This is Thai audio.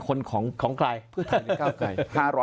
คนของใคร